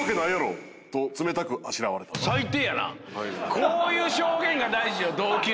こういう証言が大事よ同期の。